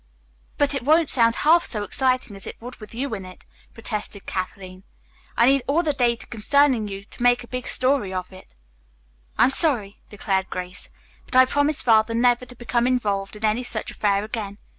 "But it won't sound half so exciting as it would with you in it," protested Kathleen. "I need all the data concerning you to make a big story of it." "I am sorry," declared Grace, "but I promised Father never to become involved in any such affair again.